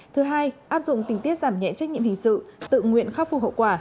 thứ hai áp dụng tình tiết giảm nhẹ trách nhiệm hình sự tự nguyện khắc phục hậu quả